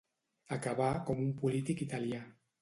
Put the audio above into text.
Acabà com un polític italià.